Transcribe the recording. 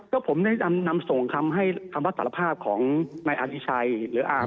ก็ผมได้นำส่งคำให้คำว่าสารภาพของนายอธิชัยหรืออา